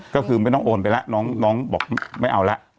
ก็คือไม่ต้องโอนไปแล้วน้องบอกไม่เอาแล้ว